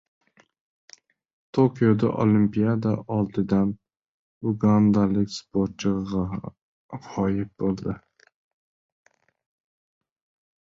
Tokioda Olimpiada oldidan ugandalik sportchi g‘oyib bo‘ldi